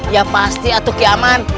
ya pasti atuk keaman